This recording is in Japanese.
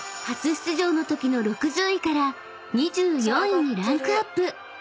［初出場のときの６０位から２４位にランクアップ！